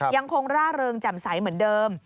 ยังคงร่าเริงจำใสเหมือนเดิม